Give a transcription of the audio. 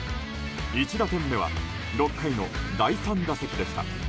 １打点目は６回の第３打席でした。